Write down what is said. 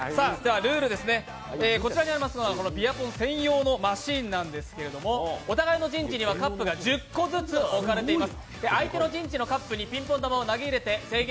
ルールですね、こちらにはあるのは「ビアポン」専用のマシンですけれども、お互いの陣地にはカップが１０個ずつ置かれています。